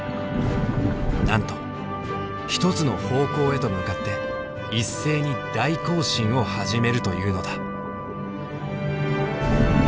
なんと一つの方向へと向かって一斉に大行進を始めるというのだ。